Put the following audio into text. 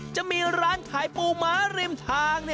จะมีร้านขายปูม้าริมทาง